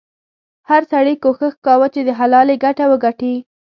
هر سړي کوښښ کاوه چې د حلالې ګټه وګټي.